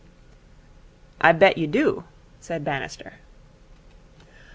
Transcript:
'I bet you do,' said Bannister.